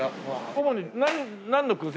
主になんの燻製？